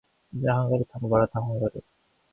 짜장 한 그릇하고 마라탕 한 그릇 배달시켜줘